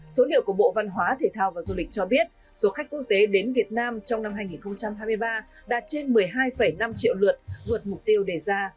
số liệu của bộ văn hóa thể thao và du lịch cho biết số khách quốc tế đến việt nam trong năm hai nghìn hai mươi ba đạt trên một mươi hai năm triệu lượt vượt mục tiêu đề ra